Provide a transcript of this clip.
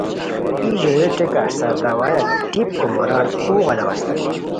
ای ژویوٹیکہ سرداوایا ٹیپ کوموران اوغ الاؤ استانی